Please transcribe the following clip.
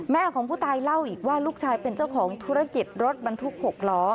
ของผู้ตายเล่าอีกว่าลูกชายเป็นเจ้าของธุรกิจรถบรรทุก๖ล้อ